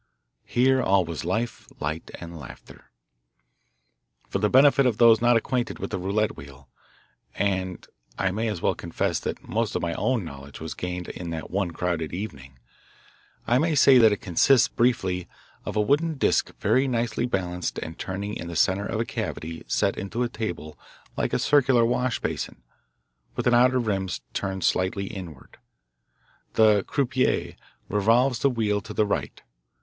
Here all was life, light, and laughter. For the benefit of those not acquainted with the roulette wheel and I may as well confess that most of my own knowledge was gained in that one crowded evening I may say that it consists, briefly, of a wooden disc very nicely balanced and turning in the centre of a cavity set into a table like a circular wash basin, with an outer rim turned slightly inward. The "croupier" revolves the wheel to the right.